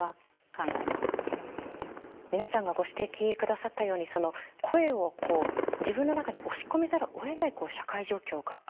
皆さんがご指摘下さったように声を自分の中に押し込めざるをえない社会状況がある。